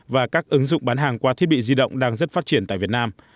và các ứng dụng bán hàng qua thiết bị di động đang rất phát triển tại việt nam